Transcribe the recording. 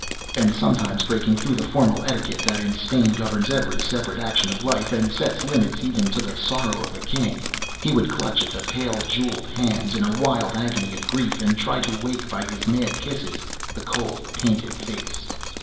and sometimes breaking through the formal etiquette that in Spain governs every separate action of life, and sets limits even to the sorrow of a King, he would clutch at the pale jewelled hands in a wild agony of grief, and try to wake by his mad kisses the cold painted face.